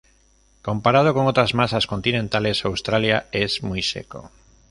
Comparado con otras masas continentales, Australia es muy seco.